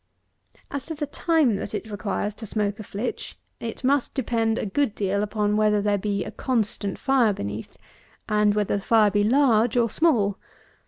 As to the time that it requires to smoke a flitch, it must depend a good deal upon whether there be a constant fire beneath, and whether the fire be large or small.